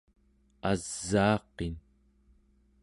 asaaqin